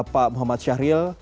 pak muhammad syaril